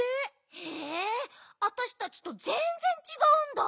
へえわたしたちとぜんぜんちがうんだ。